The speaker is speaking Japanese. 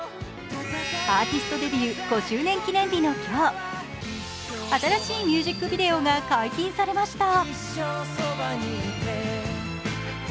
アーティストデビュー５周年記念日の今日、新しいミュージックビデオが解禁されました。